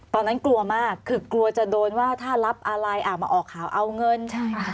ตอนนั้นกลัวมากคือกลัวจะโดนว่าถ้ารับอะไรอ่ะมาออกข่าวเอาเงินใช่ค่ะ